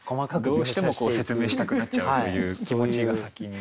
どうしても説明したくなっちゃうという気持ちが先に。